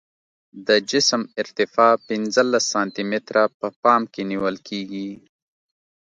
د جسم ارتفاع پنځلس سانتي متره په پام کې نیول کیږي